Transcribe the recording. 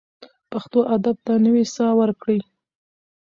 پښتو ادب ته نوې ساه ورکړئ.